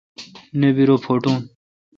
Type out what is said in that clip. نہ بی رو پوٹون۔